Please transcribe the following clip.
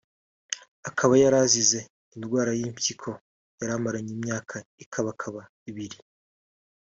akaba yarazize indwara y’impyiko yari amaranye imyaka ikabakaba ibiri